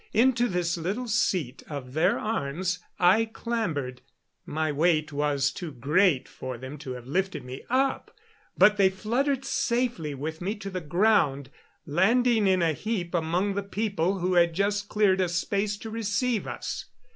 Into this little seat of their arms I clambered. My weight was too great for them to have lifted me up, but they fluttered safely with me to the ground, landing in a heap among the people, who had cleared a space to receive us.